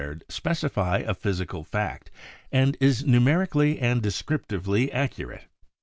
product y> M V2 specify a physical fact and is numerically and descriptively accurate.